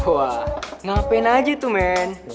wah ngapain aja tuh men